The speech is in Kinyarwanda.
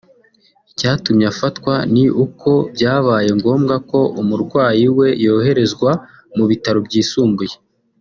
Icyatumye afatwa ni uko byabaye ngombwa ko umurwayi we yoherezwa mu bitaro byisumbuye